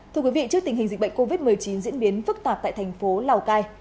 thưa quý vị trước tình hình dịch bệnh covid một mươi chín diễn biến phức tạp tại thành phố lào cai